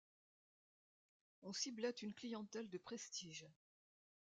On ciblait une clientèle de prestige.